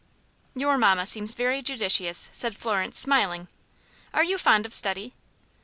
"Your mamma seems very judicious," said Florence, smiling. "Are you fond of study?"